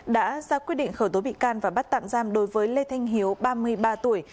đã ra quyết định khởi tố bị can và bắt tạm giam đối với lê thanh hiếu ba mươi ba tuổi